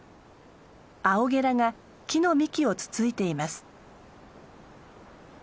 アオゲラが木の幹をつついています。